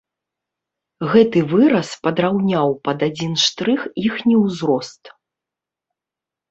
Гэты выраз падраўняў пад адзін штрых іхні ўзрост.